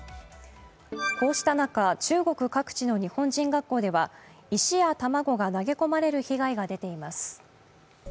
こうした中、中国各地の日本人学校では石や卵が投げ込まれる被害が出ています。